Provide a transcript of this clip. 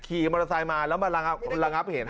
ขี่มอเตอร์ไซค์มาแล้วมาระงับเหตุ